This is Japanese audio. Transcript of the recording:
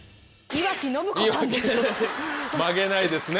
曲げないですね。